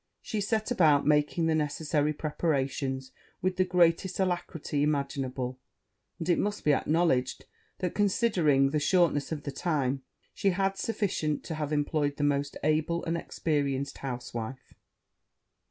She set about making the necessary preparations with the greatest alacrity imaginable; and it must be acknowledged that, considering the shortness of the time, she had sufficient to have employed the most able and experienced housewife.